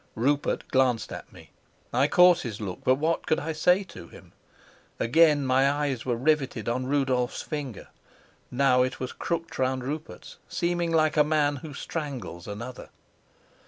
Rupert glanced at me. I caught his look, but what could I say to him? Again my eyes were riveted on Rudolf's finger. Now it was crooked round Rupert's, seeming like a man who strangles another.